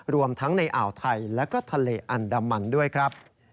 รวมทั้งในอ่าวไทยและก็ทะเลอันดามันด้วยครับ